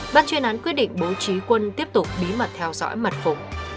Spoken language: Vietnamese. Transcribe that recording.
ban truyền án quyết định bố trí quân tiếp tục bí mật theo dõi mặt phủ